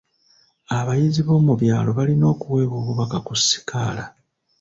Abayizi b'omu byalo balina okuweebwa obubaka ku sikaala.